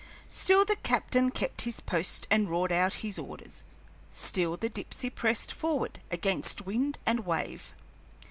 Still the captain kept his post and roared out his orders, still the Dipsey pressed forward against wind and wave.